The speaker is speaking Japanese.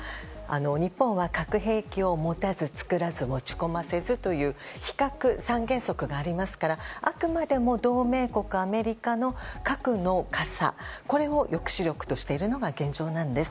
日本は核兵器を「持たず作らず持ち込ませず」という非核三原則がありますからあくまでも同盟国アメリカの核の傘これを抑止力としているのが現状なんです。